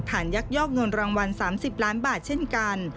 ยักยอกเงินรางวัล๓๐ล้านบาทเช่นกัน